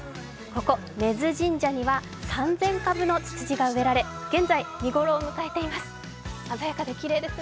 ここ根津神社には３０００株のつつじが植えられ現在、見頃を迎えています。